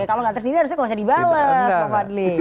kalau gak tersindir maksudnya kok gak bisa dibalas pak fadli